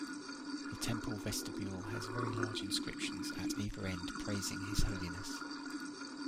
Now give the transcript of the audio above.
The temple vestibule has very large inscriptions at either end praising his holiness.